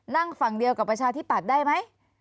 นั่งฝั่งเดียวกับประชาธิปัตย์ได้ไหม